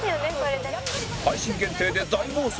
配信限定で大暴走？